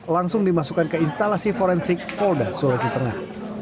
langsung dimasukkan ke instalasi forensik polda sulawesi tengah